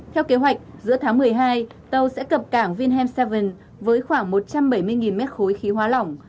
theo kế hoạch giữa tháng một mươi hai tàu sẽ cập cảng wilhelmshaven với khoảng một trăm bảy mươi mét khối khí hóa lỏng